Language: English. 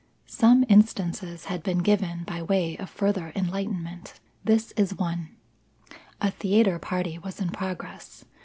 Some instances had been given by way of further enlightenment. This is one: A theatre party was in progress.